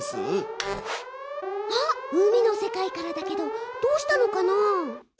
ＳＯＳ？あっ海の世界からだけどどうしたのかな？